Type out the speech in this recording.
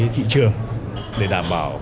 thị trường để đảm bảo